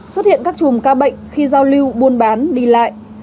xuất hiện các chùm ca bệnh khi giao lưu buôn bán đi lại